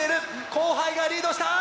後輩がリードした！